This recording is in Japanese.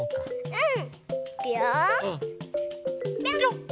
うん？